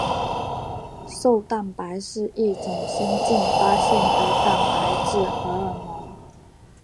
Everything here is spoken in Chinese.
瘦蛋白是一种新近发现的蛋白质荷尔蒙。